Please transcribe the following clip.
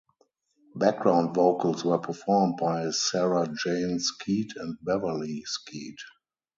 Background vocals were performed by Sara-Jane Skeet and Beverly Skeet.